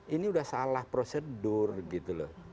ini udah salah prosedur gitu loh